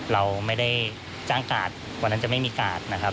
เราไม่ได้จ้างกาดวันนั้นจะไม่มีกาดนะครับ